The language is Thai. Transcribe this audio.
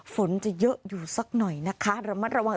ฝนจะเยอะอยู่สักหน่อยนะคะระมัดระวัง